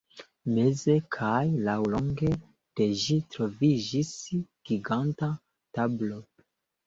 Meze kaj laŭlonge de ĝi troviĝis giganta tablo.